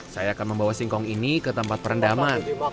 saya akan membawa singkong ini ke tempat perendaman